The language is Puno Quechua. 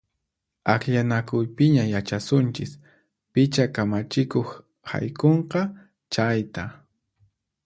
Akllanakuypiña yachasunchis picha kamachikuq haykunqa chayta!